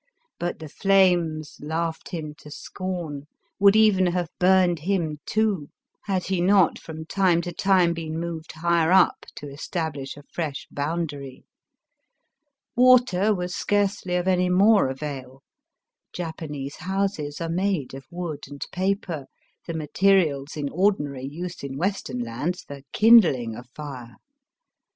But the flames laughed him to pcom, would even have burned him too, had he not from time to time been moved higher up to establish a fresh boundary. Water was scarcely of any more avail. Japanese houses are made of wood and paper, the materials in ordinary use in Western lands for kindhng a fire.